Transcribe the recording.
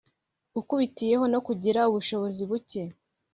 ukubitiyeho no kugira ubushobozi buke.